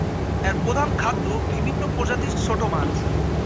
এর প্রধান খাদ্য বিভিন্ন প্রজাতির ছোট মাছ।